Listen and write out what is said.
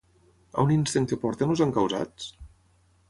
On insten que portin els encausats?